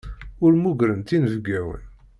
Ur mmugrent inebgawen.